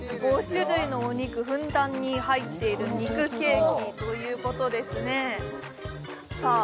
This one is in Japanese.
５種類のお肉ふんだんに入っている肉ケーキということですねさあ